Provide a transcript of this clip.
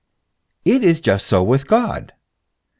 It is just so with God.